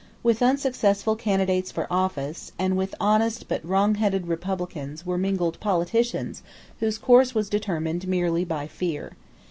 With unsuccessful candidates for office, and with honest but wrongheaded republicans, were mingled politicians whose course was determined merely by fear.